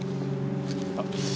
あっ